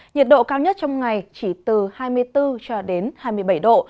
nhiệt độ cao nhất trong ngày chỉ từ hai mươi bốn cho đến hai mươi bảy độ